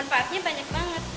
manfaatnya banyak banget